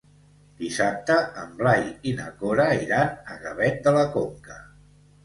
Dissabte en Blai i na Cora iran a Gavet de la Conca.